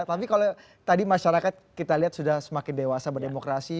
tapi kalau tadi masyarakat kita lihat sudah semakin dewasa berdemokrasi